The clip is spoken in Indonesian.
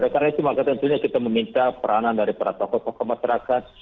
karena itu maka tentunya kita meminta peranan dari para tokoh tokoh masyarakat